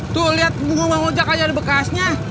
tuh lihat ngomong ngojak aja ada bekasnya